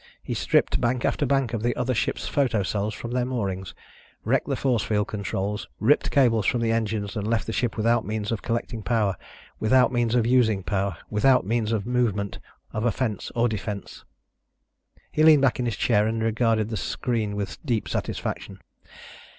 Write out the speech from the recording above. He stripped bank after bank of the other ship's photo cells from their moorings, wrecked the force field controls, ripped cables from the engines and left the ship without means of collecting power, without means of using power, without means of movement, of offense or defense. He leaned back in his chair and regarded the screen with deep satisfaction.